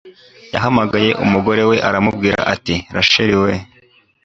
yahamagaye umugore we aramubwira ati Rachel we